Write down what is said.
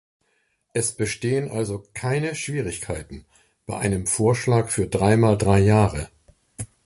Es bestehen also keine Schwierigkeiten bei einem Vorschlag für dreimal drei Jahre.